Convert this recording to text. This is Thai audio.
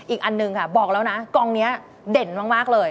อีกอันหนึ่งค่ะบอกแล้วนะกองนี้เด่นมากเลย